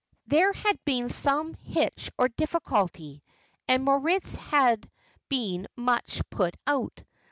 There had been some hitch or difficulty, and Moritz had been much put out.